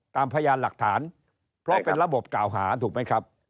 พยานหลักฐานเพราะเป็นระบบกล่าวหาถูกไหมครับ